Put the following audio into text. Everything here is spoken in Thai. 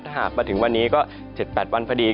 ถ้าหากมาถึงวันนี้ก็๗๘วันพอดี